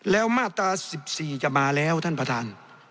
แล้วมาตรา๑๔จะมาแล้วท่านประธาน